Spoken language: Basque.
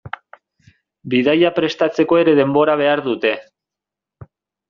Bidaia prestatzeko ere denbora behar dute.